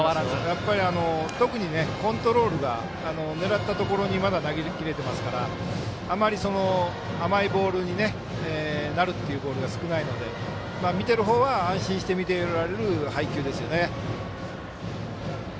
やっぱり、特にコントロールが狙ったところにまだ投げていけてますからあまり甘いボールになるというボールは少ないので、見てる方は安心して見ていられる配球ですよね。